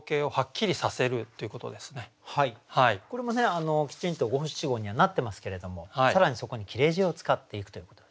これもきちんと五七五にはなってますけれども更にそこに切字を使っていくということですね。